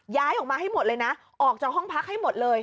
ย้ายออกมาให้หมดเลยนะออกจากห้องพักให้หมดเลย